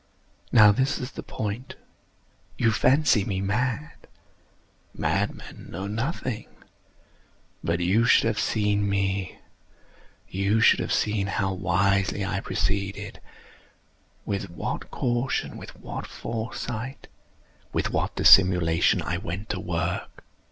Now this is the point. You fancy me mad. Madmen know nothing. But you should have seen me. You should have seen how wisely I proceeded—with what caution—with what foresight—with what dissimulation I went to work!